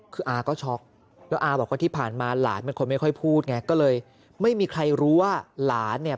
คืออาก็ช็อกแล้วอาบอกว่าที่ผ่านมาหลานเป็นคนไม่ค่อยพูดไงก็เลยไม่มีใครรู้ว่าหลานเนี่ย